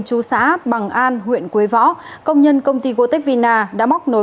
chú xã bằng an huyện quế võ công nhân công ty gotech vina đã móc nối